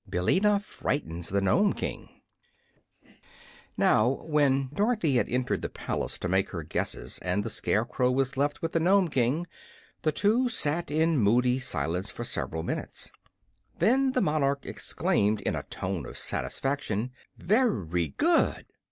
Billina Frightens the Nome King Now when Dorothy had entered the palace to make her guesses and the Scarecrow was left with the Nome King, the two sat in moody silence for several minutes. Then the monarch exclaimed, in a tone of satisfaction: "Very good!"